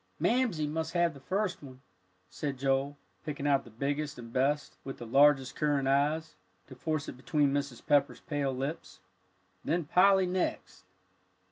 "Mamsie must have the first one," said Joel, picking out the biggest and best, with the largest currant eyes, to force it between Mrs. Pepper's pale lips, "then Polly next."